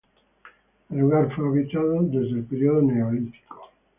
El lugar fue habitado desde el periodo Neolítico.